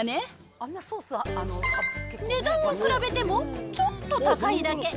値段を比べてもちょっと高いだけ。